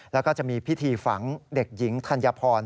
แล้วก็จะมีพิธีฝังเด็กหญิงธัญพร